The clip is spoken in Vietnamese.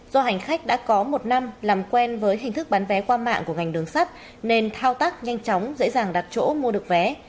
do hành khách đã có một năm làm quen với hình thức bán vé qua mạng của ngành đường sắt nên thao tác nhanh chóng dễ dàng đặt chỗ mua được vé